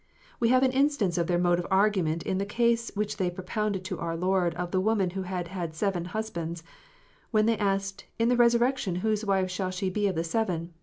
We have an instance of their mode of argument in the case which they propounded to our Lord of the woman who had had seven husbands, when they asked, "In the resurrection, whose wife shall she be of the seven